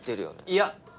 いや